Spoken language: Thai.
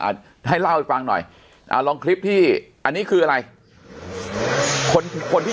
ให้เล่าให้ฟังหน่อยอ่าลองคลิปที่อันนี้คืออะไรคนคนที่